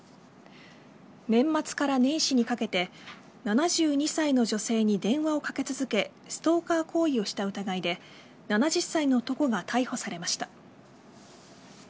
年末から年始にかけて７２歳の女性に電話をかけ続けストーカー行為をした疑いで７０歳の男が逮捕されました。